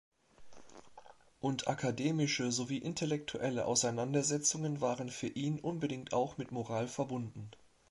Und akademische sowie intellektuelle Auseinandersetzungen waren für ihn unbedingt auch mit Moral verbunden.